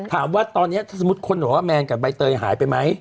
ถามว่าตอนนี้ถ้าสมมุติคนบอกว่าแมนกับใบเตยหายไปไหม